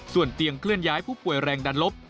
ส่วนเตียงเคลื่อนย้ายผู้ป่วยแรงดันลบ